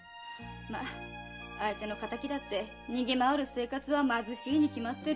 まっ相手の仇だって逃げ回る生活は貧しいに決まってる。